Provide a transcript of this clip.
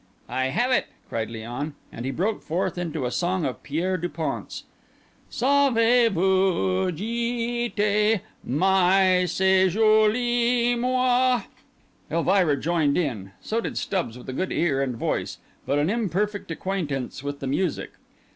"I have it," cried Léon. And he broke forth into a song of Pierre Dupont's:— "Savez vous où gite, Mai, ce joli mois?" Elvira joined in; so did Stubbs, with a good ear and voice, but an imperfect acquaintance with the music.